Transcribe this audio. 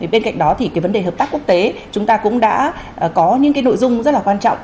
bên cạnh đó thì cái vấn đề hợp tác quốc tế chúng ta cũng đã có những cái nội dung rất là quan trọng